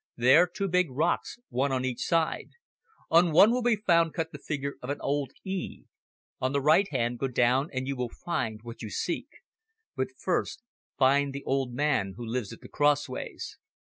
There two big rocks one on each side. On one will be found cut the figure of an old `E.' On the right hand go down and you will find what you seek. But first find the old man who lives at the crossways."